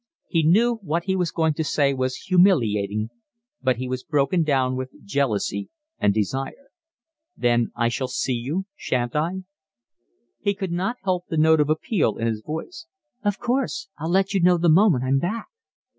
He knew what he was going to say was humiliating, but he was broken down with jealousy and desire. "Then I shall see you, shan't I?" He could not help the note of appeal in his voice. "Of course. I'll let you know the moment I'm back."